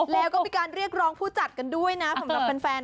แล้วก็มีการเรียกร้องผู้จัดกันด้วยนะสำหรับแฟน